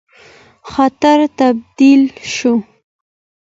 خطر تبدیل شو.